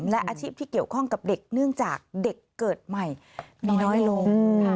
และอาชีพที่เกี่ยวข้องกับเด็กเนื่องจากเด็กเกิดใหม่มีน้อยลง